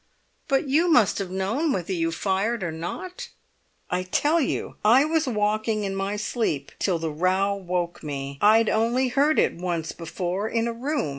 "But you must have known whether you fired or not?" "I tell you I was walking in my sleep till the row woke me. I'd only heard it once before, in a room.